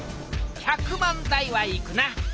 １００万台はいくな。